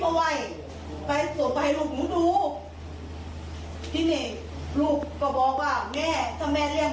เอาไว้ไปส่งไปให้ลูกลูกที่นี่ลูกก็บอกว่าแม่แม่เรียง